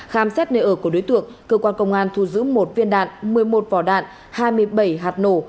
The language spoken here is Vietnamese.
khám xét nơi ở của đối tượng cơ quan công an thu giữ một viên đạn một mươi một vỏ đạn hai mươi bảy hạt nổ